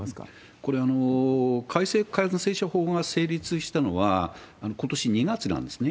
これ、改正感染症法が成立したのは、ことし２月なんですね。